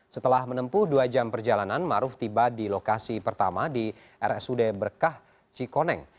setelah menempuh dua jam perjalanan maruf tiba di lokasi pertama di rsud berkah cikoneng